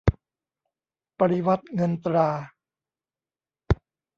ปริวรรตเงินตรา